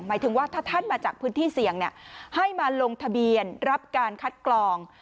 หมายถึงว่าถ้าท่านมาจากพื้นที่เสี่ยงให้มาลงทะเบียนรับการคัดกรอง